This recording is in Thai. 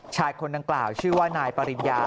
คนดังกล่าวชื่อว่านายปริญญา